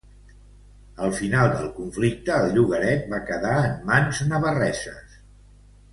Al final del conflicte, el llogaret va quedar en mans navarreses.